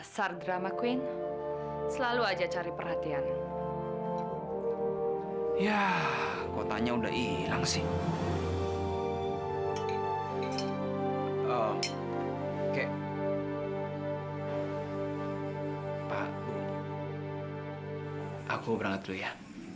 sampai jumpa di video selanjutnya